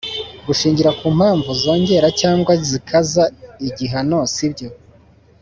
gushingira ku mpamvu zongera cyangwa zikaza igihano si byo